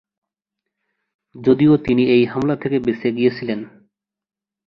যদিও তিনি এই হামলা থেকে বেঁচে গিয়েছিলেন।